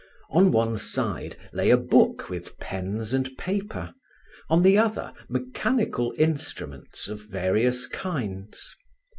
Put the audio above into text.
On one side lay a book with pens and paper; on the other mechanical instruments of various kinds.